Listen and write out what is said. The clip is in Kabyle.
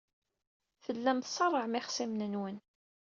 Tellam tṣerrɛem ixṣimen-nwen.